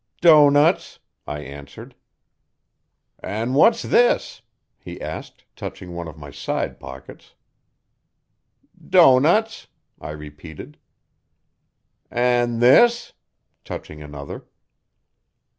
'Doughnuts,' I answered. 'An' what's this?' he asked touching one of my side pockets. 'Doughnuts,' I repeated. 'An' this,' touching another.